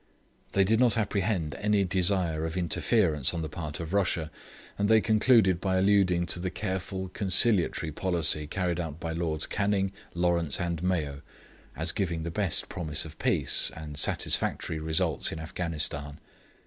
They did not apprehend any desire of interference on the part of Russia, and they concluded by alluding to the careful conciliatory policy carried out by Lords Canning, Lawrence, and Mayo, as giving the best promise of peace, and satisfactory results in Afghanistan.